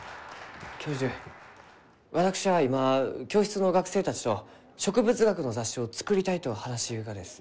教授私は今教室の学生たちと植物学の雑誌を作りたいと話しゆうがです。